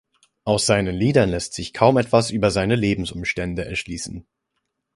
Aus seinen Liedern lässt sich kaum etwas über seine Lebensumstände erschließen.